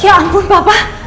ya ampun papa